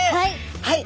はい。